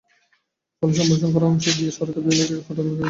ফলে সম্প্রসারণ করা অংশ দেবে গিয়ে সড়কের বিভিন্ন জায়গায় ফাটল দেখা দিচ্ছে।